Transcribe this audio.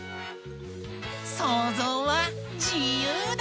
そうぞうはじゆうだ！